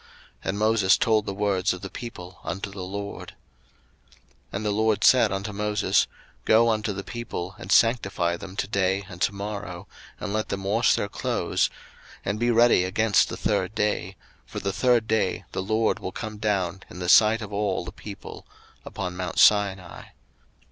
And Moses told the words of the people unto the LORD. 02:019:010 And the LORD said unto Moses, Go unto the people, and sanctify them to day and to morrow, and let them wash their clothes, 02:019:011 And be ready against the third day: for the third day the LORD will come down in the sight of all the people upon mount Sinai.